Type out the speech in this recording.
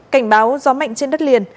cảnh báo gió mạnh trên đất liền